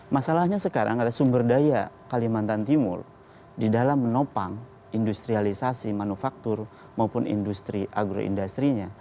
masalahnya sekarang ada sumber daya kalimantan timur di dalam menopang industrialisasi manufaktur maupun industri agroindustrinya